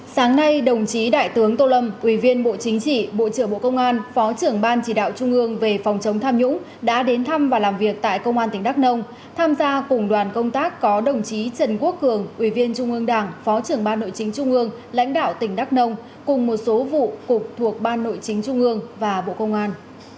sáng nay đồng chí đại tướng tô lâm ủy viên bộ chính trị bộ trưởng bộ công an phó trưởng ban chỉ đạo trung ương về phòng chống tham nhũng đã đến thăm và làm việc tại công an tỉnh đắk nông tham gia cùng đoàn công tác có đồng chí trần quốc cường ủy viên trung ương đảng phó trưởng ban nội chính trung ương lãnh đạo tỉnh đắk nông cùng một số vụ cục thuộc ban nội chính trung ương và bộ công an